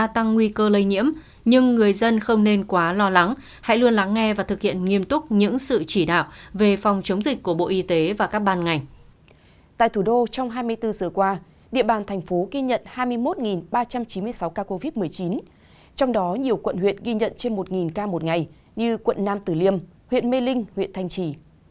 trong đó nhiều quận huyện ghi nhận trên một ca một ngày như quận nam tử liêm huyện mê linh huyện thanh trì